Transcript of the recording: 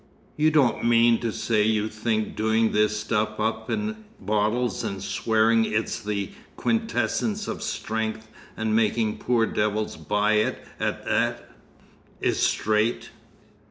"You don't mean to say you think doing this stuff up in bottles and swearing it's the quintessence of strength and making poor devils buy it at that, is straight?"